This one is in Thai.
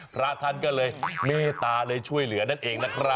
พระท่านก็เลยเมตตาเลยช่วยเหลือนั่นเองนะครับ